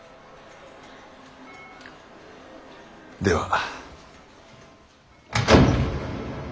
では。